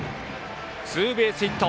ツーベースヒット。